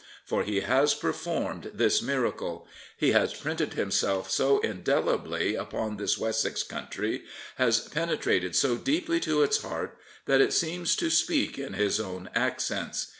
For he has performed this miracle. He has printed himself so indelibly upon this Wessex country, has penetrated so deeply to its heart, that it seems to speak in his own accents.